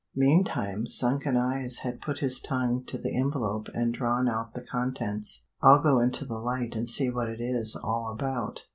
Meantime sunken eyes had put his tongue to the envelope and drawn out the contents. "I'll go into the light and see what it is all about."